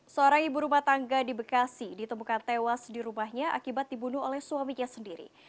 seorang ibu rumah tangga di bekasi ditemukan tewas di rumahnya akibat dibunuh oleh suaminya sendiri